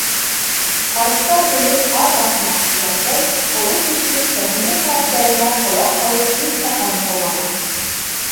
Ҡарттар һүҙен ҡар баҫмаҫ тигәндәй, оло кешенең фәһемле кәңәштәренә ҡолаҡ һалыу һис тә ҡамасауламаҫ.